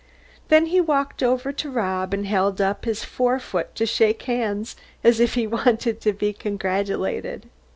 Then he walked over to Rob and held up his fore foot to shake hands, as if he wanted to be congratulated.